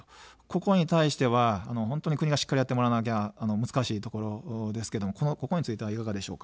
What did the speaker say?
ここに対しては国がしっかりやってもらわなきゃ難しいところですけど、ここはいかがですか。